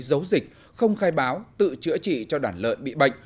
giấu dịch không khai báo tự chữa trị cho đàn lợn bị bệnh